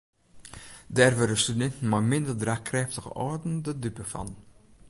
Dêr wurde studinten mei minder draachkrêftige âlden de dupe fan.